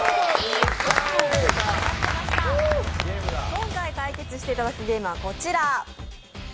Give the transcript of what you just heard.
今回対決していただくゲームはこちら。